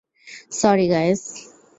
Sorry, guys.